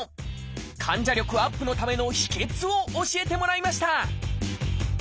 患者力アップのための秘訣を教えてもらいました！